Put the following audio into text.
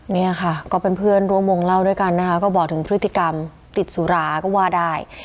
เนี่ยค่ะก็เป็นเพื่อนร่วมวงเล่าด้วยกันนะคะก็บอกถึงพฤติกรรมติดสุราก็ว่าได้